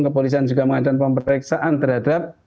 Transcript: kepolisian juga mengadakan pemeriksaan terhadap